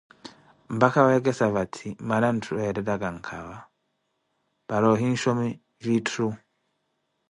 Mpaka weekesa vathi mmana ntthu eettettakha nkava, para ohinshomi vitthu.